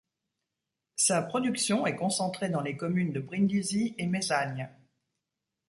Sa production est concentrée dans les communes de Brindisi et Mesagne.